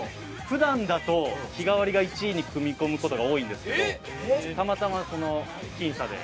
普段だと日替りが１位に組み込む事が多いんですけどたまたま僅差で。